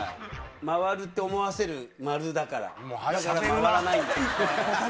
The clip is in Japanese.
回るって思わせる円だからだから回らないんだ。